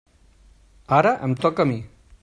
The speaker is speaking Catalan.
Ara em toca a mi.